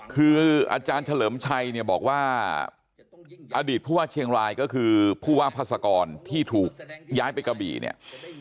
คืออาจารย์เฉลิมชัยเนี่ยบอกว่าอดีตผู้ว่าเชียงรายก็คือผู้ว่าพัศกรที่ถูกย้ายไปกะบี่เนี่ย